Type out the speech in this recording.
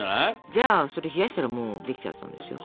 じゃあそれ冷やしたらもうできちゃったんですよ。